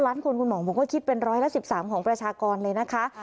๙ล้านคนคุณหมอผมก็คิดเป็น๑๑๓ของประชากรเลยนะคะ